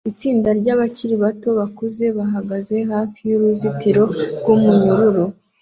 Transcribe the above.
Itsinda ryabakiri bato bakuze bahagaze hafi yuruzitiro rwumunyururu